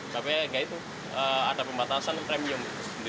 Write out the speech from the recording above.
tapi ya itu ada pembatasan premium